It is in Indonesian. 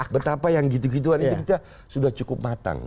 betapa yang gitu gituan itu kita sudah cukup matang